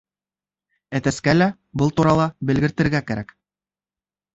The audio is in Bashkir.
Әтәскә лә был турала белгертергә кәрәк.